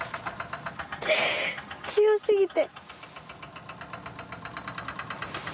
強すぎて。